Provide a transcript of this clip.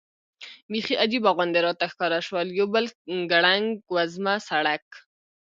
بېخي عجیبه غوندې راته ښکاره شول، یو بل ګړنګ وزمه سړک.